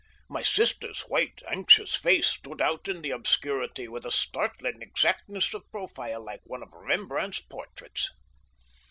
My sister's white, anxious face stood out in the obscurity with a startling exactness of profile like one of Rembrandt's portraits.